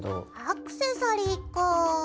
アクセサリーかぁ。